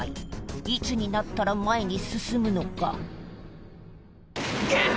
いつになったら前に進むのかげっ！